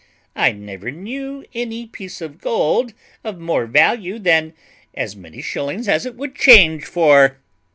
I never knew any piece of gold of more value than as many shillings as it would change for."